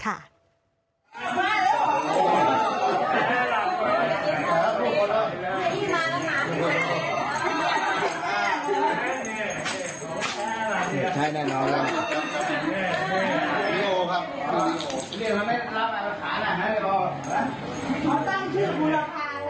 นี่พ่อตั้งชื่อบูรพา